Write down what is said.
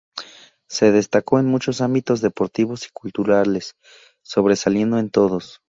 Se destacó en muchos ámbitos deportivos y culturales, sobresaliendo en todos.